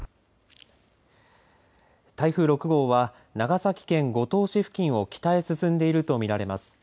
台風６号は長崎県五島市付近を北へ進んでいると見られます。